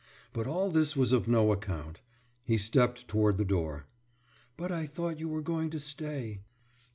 But all this was of no account. He stepped toward the door. »But I thought you were going to stay....